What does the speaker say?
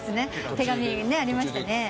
手紙ありましたね。